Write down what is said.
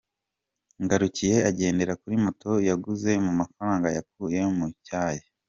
Ngarukiye agendera kuri moto yaguze mu mafaranga yakuye mu cyayi.